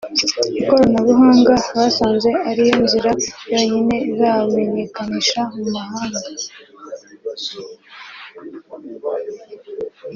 ikoranabuhanga basanze ariyo nzira yonyine izabamenyekanisha mu mahanga